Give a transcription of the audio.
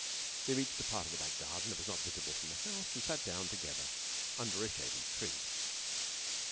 They reached a part of the back garden that was not visible from the house and sat down together under a shady tree.